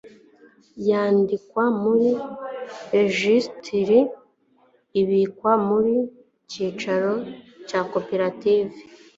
yandikwa muri regisitiri ibikwa ku cyicaro cya koperative